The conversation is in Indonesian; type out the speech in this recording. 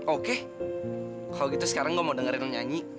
oke kalo gitu sekarang gue mau dengerin lo nyanyi